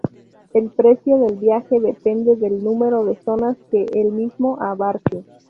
El precio del viaje depende del número de zonas que el mismo abarque.